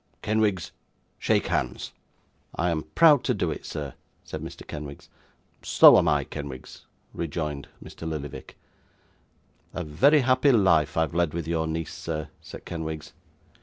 Kenwigs, shake hands.' 'I am proud to do it, sir,' said Mr. Kenwigs. 'So am I, Kenwigs,' rejoined Mr. Lillyvick. 'A very happy life I have led with your niece, sir,' said Kenwigs.